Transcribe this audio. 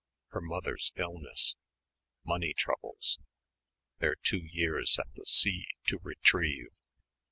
her mother's illness, money troubles their two years at the sea to retrieve